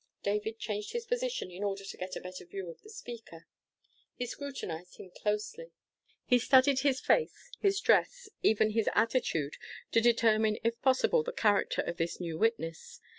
David changed his position in order to get a better view of the speaker. He scrutinized him closely. He studied his face, his dress, even his attitude, to determine, if possible, the character of this new witness.